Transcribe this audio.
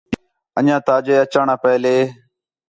انڄیاں تا جے اچݨ آ پہلے